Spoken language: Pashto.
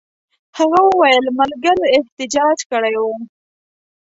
هغه وویل ملګرو احتجاج کړی وو.